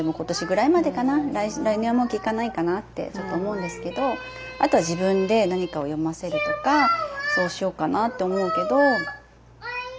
来年はもう聞かないかなってちょっと思うんですけどあとは自分で何かを読ませるとかそうしようかなって思うけど。